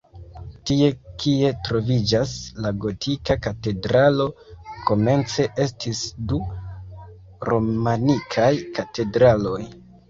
Tie kie troviĝas la gotika katedralo, komence estis du romanikaj katedraloj.